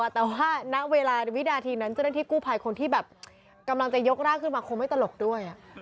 แต่ว่าณเวลาวินาทีนั้นเจ้าหน้าที่กู้ภัยคนที่แบบกำลังจะยกร่างขึ้นมาคงไม่ตลกด้วย